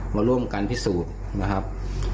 มาร่วมกันพิสูจน์นะครับ